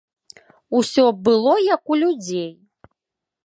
Усё было як у людзей.